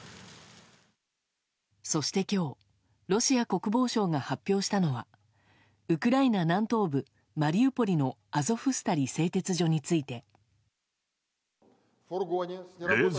そして今日ロシア国防省が発表したのはウクライナ南東部マリウポリのアゾフスタリ製鉄所について。